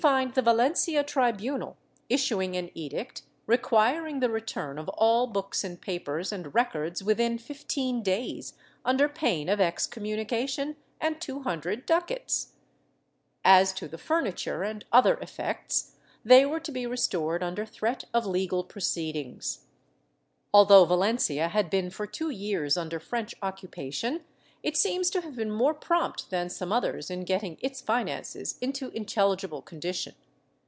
428 DECADENCE AND EXTINCTION [Book IX Valencia tribunal issuing an edict requiring the return of all books and papers and records within fifteen days, under pain of excom munication and two hundred ducats ; as to the furniture and other effects, they were to be restored under threat of legal proceedings. Although Valencia had been for two years under French occupa tion, it seems to have been more prompt than some others in getting its finances into intelligible condition.